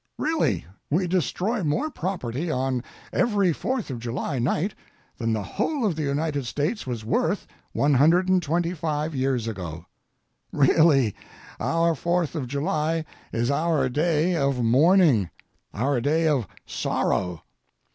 Really we destroy more property on every Fourth of July night than the whole of the United States was worth one hundred and twenty five years ago. Really our Fourth of July is our day of mourning, our day of sorrow.